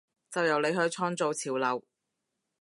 就由你去創造潮流！